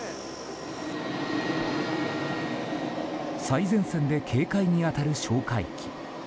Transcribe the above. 最前線で警戒に当たる哨戒機。